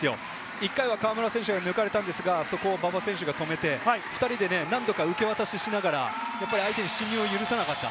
１回は河村選手が抜かれたんですが、そこを馬場選手が止めて、２人で何度か受け渡しをしながら相手に進入を許さなかった。